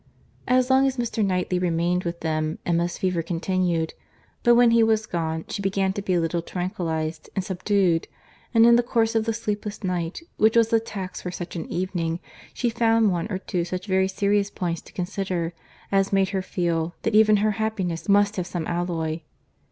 As long as Mr. Knightley remained with them, Emma's fever continued; but when he was gone, she began to be a little tranquillised and subdued—and in the course of the sleepless night, which was the tax for such an evening, she found one or two such very serious points to consider, as made her feel, that even her happiness must have some alloy.